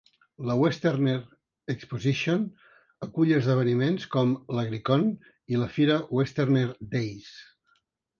La Westerner Exposition acull esdeveniments com l'Agricon i la fira Westerner Days.